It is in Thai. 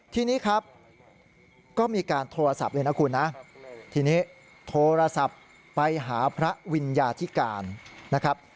ทีนี้ครับก็มีการโทรศัพท์เลยนะคุณนะทีนี้โทรศัพท์ไปหาพระวิญญาธิการนะครับ